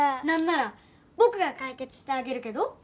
なんなら僕が解決してあげるけど。